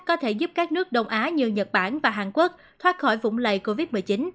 có thể giúp các nước đông á như nhật bản và hàn quốc thoát khỏi vụng lây covid một mươi chín